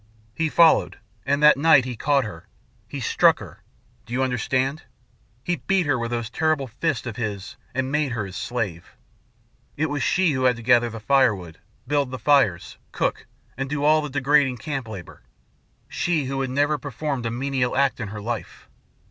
He followed, and that night he caught her. He struck her. Do you understand? He beat her with those terrible fists of his and made her his slave. It was she who had to gather the firewood, build the fires, cook, and do all the degrading camp labor she, who had never performed a menial act in her life.